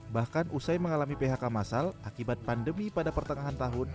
bahkan usai mengalami phk masal akibat pandemi pada pertengahan tahun